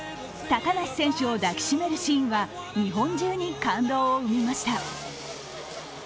高梨選手を抱き締めるシーンは日本中に感動を生みました。